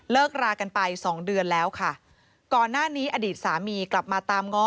รากันไปสองเดือนแล้วค่ะก่อนหน้านี้อดีตสามีกลับมาตามง้อ